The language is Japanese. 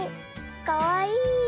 かわいい。